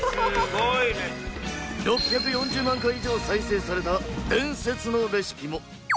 ６４０万回以上再生された伝説のレシピも